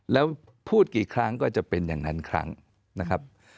แล้วพูดกี่ครั้งก็จะเป็นอย่างนั้นครั้งนะครับ